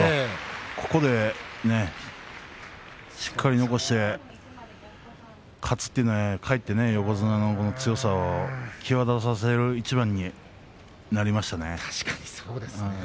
ここまでしっかり残して勝つというのは横綱の強さを示した一番になりましたね。